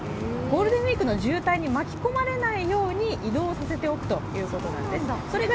ゴールデンウイークの渋滞に巻き込まれないように移動させておくということです。